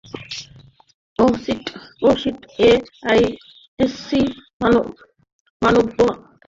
ওহ shit - সে ISC মানব বোমা।